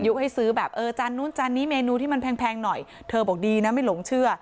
ให้ซื้อแบบเออจานนู้นจานนี้เมนูที่มันแพงหน่อยเธอบอกดีนะไม่หลงเชื่อ